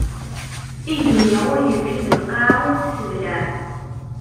Igenni ur irfid, lqaɛa ur tesseblaɛ.